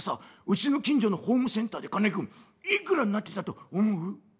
うちの近所のホームセンターで金井君いくらになってたと思う？」。